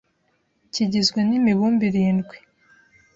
kigizwe n’imibumbe irindwi